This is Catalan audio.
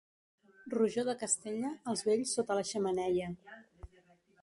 Rojor de Castella, els vells sota la xemeneia.